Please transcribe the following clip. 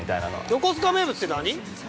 ◆横須賀名物って何？